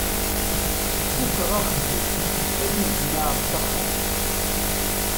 Fukkeɣ axeddim ad nnejmaɛeɣ s axxam.